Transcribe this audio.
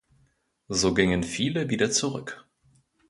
So gingen viele wieder zurück.